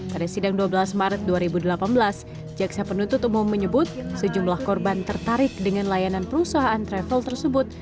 pada sidang dua belas maret dua ribu delapan belas jaksa penuntut umum menyebut sejumlah korban tertarik dengan layanan perusahaan travel tersebut